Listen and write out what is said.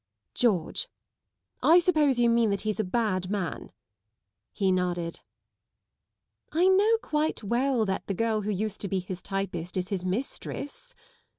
" George. I suppose you mean that he's a bad man." He nodded. " I know quite well that the girl who used to be his typist is his mistress."